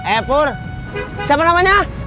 eh pur siapa namanya